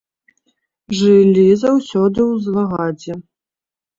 Жылі заўсёды ў злагадзе.